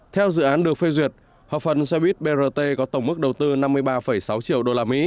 theo dự án được phê duyệt hợp phần xe buýt brt có tổng mức đầu tư năm mươi ba sáu triệu usd